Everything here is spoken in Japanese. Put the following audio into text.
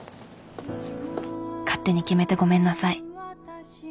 勝手に決めてごめんなさい。